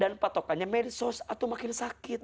dan patokannya medsos atau makin sakit